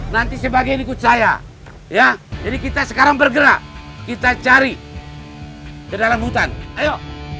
nanti sebagai ikut saya ya jadi kita sekarang bergerak kita cari ke dalam hutan ayo